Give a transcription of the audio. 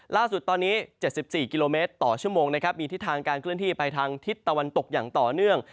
ล่าสุดตอนนี้๗๔กิโลเมตรต่อชั่วโมงนะครับมีทิศทางการเคลื่อนที่ไปทางทิศตะวันตกอย่างต่อเนื่อง